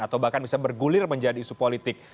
atau bahkan bisa bergulir menjadi isu politik